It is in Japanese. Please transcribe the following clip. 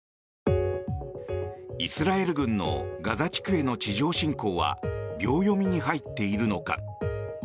イスラエル軍のガザ地区への地上侵攻は秒読みに入っているのか。